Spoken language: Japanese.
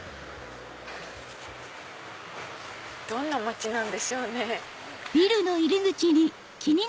どんな街なんでしょうね。